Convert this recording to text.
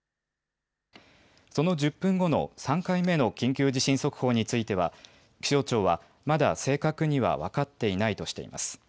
その１０分後の３回目の緊急地震速報については気象庁はまだ正確には分かっていないとしています。